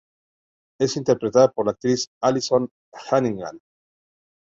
Es interpretada por la actriz Alyson Hannigan.